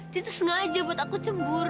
dia tuh sengaja buat aku cembur